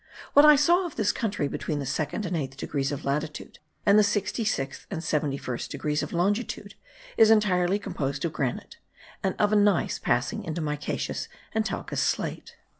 What I saw of this country between the second and eighth degrees of latitude, and the sixty sixth and seventy first degrees of longitude, is entirely composed of granite, and of a gneiss passing into micaceous and talcous slate.